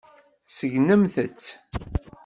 Segnemt-tt.